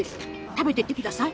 食べていってください！